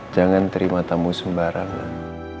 jangan terima tamu sembarangan